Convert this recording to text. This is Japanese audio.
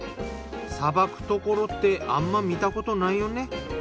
さばくところってあんま見たことないよね。